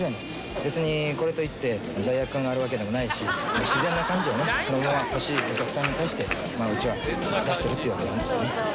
別にこれといって罪悪感があるわけでもないし、自然な感じをね、そのまま欲しいお客さんに対してうちはそのまま出してる。